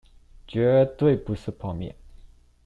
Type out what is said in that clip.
絕對不是泡麵